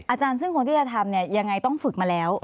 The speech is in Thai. อาจารย์ซึ่งคนที่จะทำเนี่ยยังไงต้องฝึกมาแล้ว